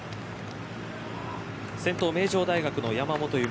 先頭、名城大学の山本有真。